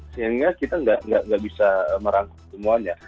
sehingga kita nggak bisa merangkul semuanya